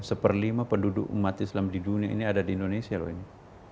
seperlima penduduk umat islam di dunia ini ada di indonesia loh ini